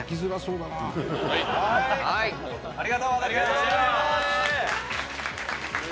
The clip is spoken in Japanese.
「ありがとうございます」